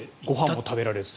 ご飯も食べられず。